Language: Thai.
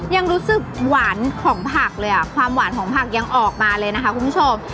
ยังรู้สึกหวานของผักเลยอ่ะความหวานของผักยังออกมาเลยนะคะคุณผู้ชม